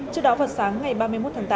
trước đó vào sáng ngày ba mươi một tháng tám